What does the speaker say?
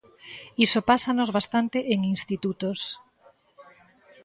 Iso pásanos bastante en institutos.